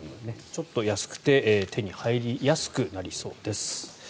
ちょっと安くて手に入りやすくなりそうです。